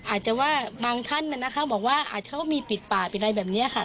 อาจจะว่าบางท่านนะคะบอกว่าอาจจะก็มีปิดป่าปิดอะไรแบบนี้ค่ะ